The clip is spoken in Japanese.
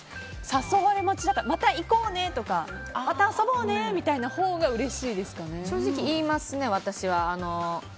誘われ待ちだからまた行こうねとかまた遊ぼうねみたいなほうが正直言いますね、私は。